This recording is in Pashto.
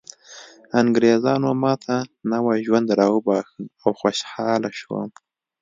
انګریزانو ماته نوی ژوند راوباښه او خوشحاله شوم